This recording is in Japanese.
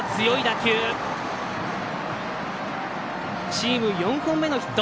チーム４本目のヒット。